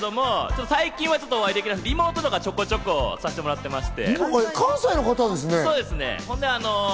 何回かあるんですけど、最近はちょっとお会いできなくて、リモートとか、ちょこちょこさせてもらってまして。